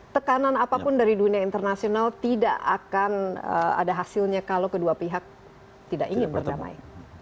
tekanan apapun dari dunia internasional tidak akan ada hasilnya kalau kedua pihak tidak ingin berdamai